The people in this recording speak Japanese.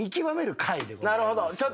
なるほど。